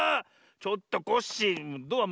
ちょっとコッシードア